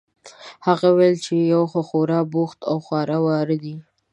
هغه وویل چې هر یو خورا بوخت او خواره واره دي.